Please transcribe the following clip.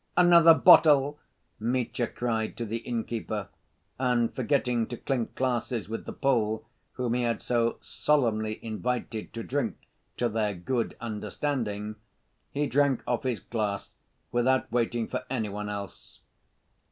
Another bottle!" Mitya cried to the innkeeper, and, forgetting to clink glasses with the Pole whom he had so solemnly invited to drink to their good understanding, he drank off his glass without waiting for any one else.